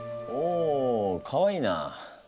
おかわいいな。